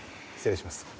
失礼します。